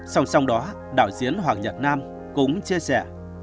song song đó đoàn đạo diễn hoàng nhật n abge cũng chia sẻ